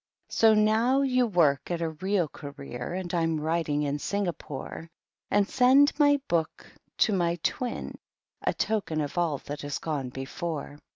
— So now you work at a real Career, and I'm writing, in Singapore, And send my book to my Twin — a token of all that has gone before.